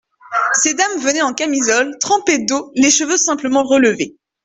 Ces dames venaient en camisole, trempées d'eau, les cheveux simplement relevés.